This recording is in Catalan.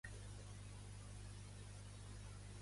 Obri els ulls, que passa un viudo.